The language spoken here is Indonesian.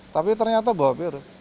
tapi ternyata bawa virus